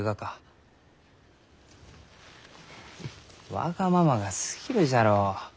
わがままがすぎるじゃろう。